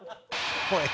おい！